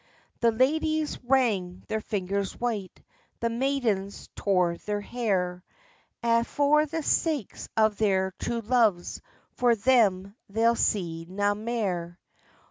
The ladyes wrang their fingers white, The maidens tore their hair, A' for the sake of their true loves, For them they'll see na mair.